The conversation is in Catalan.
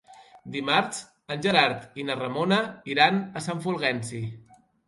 Dimarts en Gerard i na Ramona iran a Sant Fulgenci.